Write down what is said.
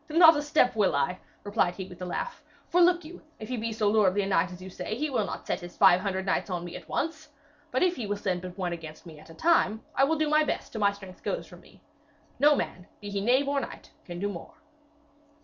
'Not a step will I,' replied he with a laugh. 'For, look you, if he be so lordly a knight as you say, he will not set his five hundred knights on me at once. But if he will send but one against me at a time, I will do my best till my strength goes from me. No man, be he knave or knight, can do more.'